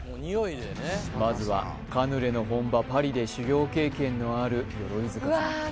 まずはカヌレの本場パリで修業経験のある鎧塚さん